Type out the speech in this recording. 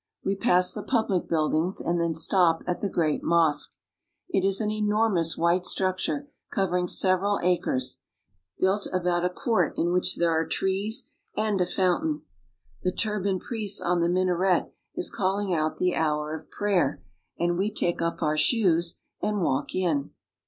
We pass the public buildings and then stop at the great mosque. It is an enormous white structure, covering several acres, built about a court in .which there are trees and a fountain. The turbaned priest on the minaret is calling out the hour of prayer^ axvd F ^^H we take off our shoes and walk in.